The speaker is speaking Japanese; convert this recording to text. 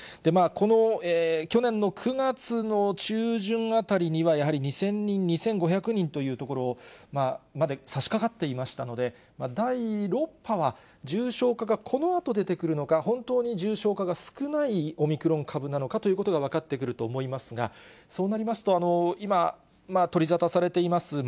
去年の９月の中旬あたりには、やはり２０００人、２５００人というところまで差しかかっていましたので、第６波は重症化がこのあと出てくるのか、本当に重症化が少ないオミクロン株なのかということが分かってくると思いますが、そうなりますと、今、取り沙汰されています